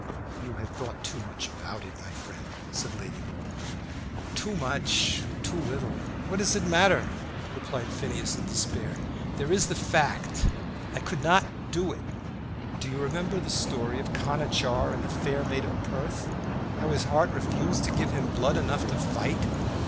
"You had thought too much about it, my friend," said Lady Laura. "Too much or too little, what does it matter?" replied Phineas, in despair. "There is the fact. I could not do it. Do you remember the story of Conachar in the 'Fair Maid of Perth;' how his heart refused to give him blood enough to fight?